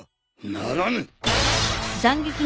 ならぬ！